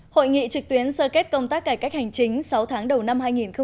hội nghị trực tuyến sơ kết công tác cải cách hành chính sáu tháng đầu năm hai nghìn một mươi chín